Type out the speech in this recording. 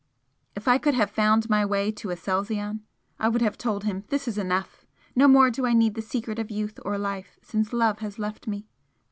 If I could have found my way to Aselzion I would have told him "This is enough! No more do I need the secret of youth or life, since love has left me."